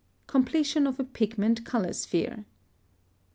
+Completion of a pigment color sphere.